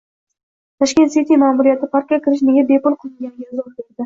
Tashkent City ma’muriyati parkka kirish nega bepul qilinganiga izoh berdi